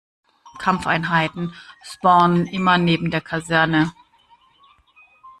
Kampfeinheiten spawnen immer neben der Kaserne.